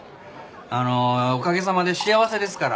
あのおかげさまで幸せですから。